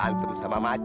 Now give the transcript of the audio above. ini udah bener bos